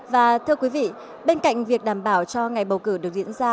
và thưa quý vị bên cạnh việc đảm bảo cho ngày bầu cử được diễn ra